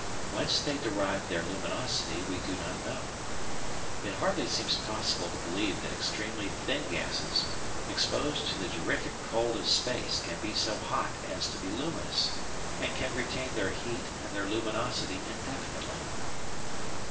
Whence they derive their luminosity we do not know. It hardly seems possible to believe that extremely thin gases exposed to the terrific cold of space can be so hot as to be luminous and can retain their heat and their luminosity indefinitely.